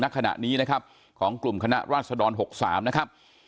ขณะนี้นะครับของกลุ่มคณะราชดร๖๓นะครับ